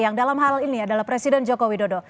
yang dalam hal ini adalah presiden joko widodo